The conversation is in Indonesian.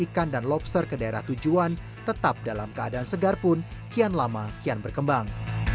ikan dan lobster ke daerah tujuan tetap dalam keadaan segar pun kian lama kian berkembang